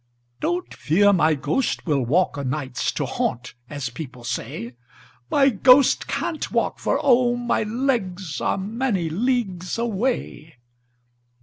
"Don't fear my ghost will walk o' nights To haunt, as people say; My ghost can't walk, for, oh ! my legs Are many leagues away!